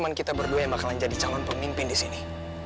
dan siapa yang akan jadi calon pemimpin disini